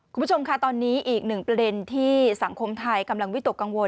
คุณผู้ชมค่ะตอนนี้อีกหนึ่งประเด็นที่สังคมไทยกำลังวิตกกังวล